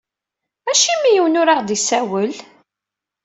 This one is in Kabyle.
Acimi yiwen ur aɣ-d-isawel?